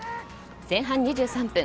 前半２３分。